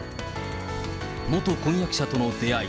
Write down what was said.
元婚約者との出会い。